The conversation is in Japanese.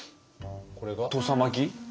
土佐巻き？